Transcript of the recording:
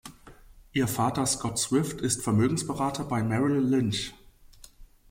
Ihr Vater Scott Swift ist Vermögensberater bei Merrill Lynch.